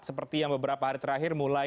seperti yang beberapa hari terakhir mulai